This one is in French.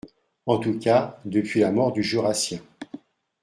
En tout cas, depuis la mort du Jurassien